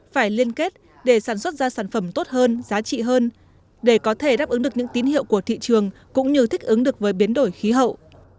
phải liên kết để sản xuất ra sản phẩm tốt hơn giá trị hơn để có thể đáp ứng được những tín hiệu của thị trường cũng như thích ứng được với biến đổi khí hậu